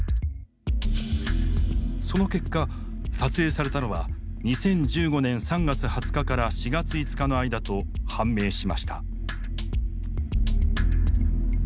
その結果撮影されたのは２０１５年３月２０日から４月５日の間と判明しました。